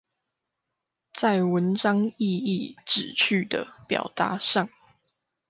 在文章意義、旨趣的表達上